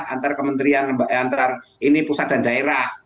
antar kementerian antar ini pusat dan daerah